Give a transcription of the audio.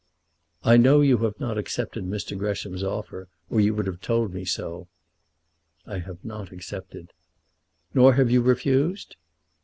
"I know you have not accepted Mr. Gresham's offer, or you would have told me so." "I have not accepted." "Nor have you refused?"